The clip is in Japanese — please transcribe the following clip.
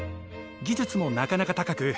技術もなかなか高く。